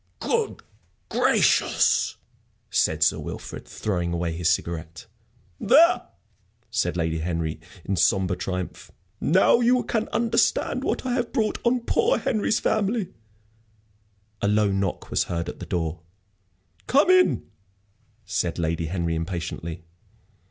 "Good gracious!" said Sir Wilfrid, throwing away his cigarette. "There!" said Lady Henry, in sombre triumph. "Now you can understand what I have brought on poor Henry's family." A low knock was heard at the door. "Come in," said Lady Henry, impatiently.